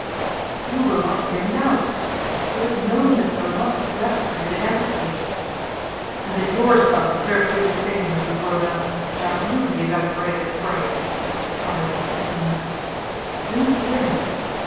"You will not hear me out. It is known that you are much exasperated against Richard " "And if your son serves you the same when he is grown up, shan't you be exasperated, pray?" fired Justice Hare. "Do hear me.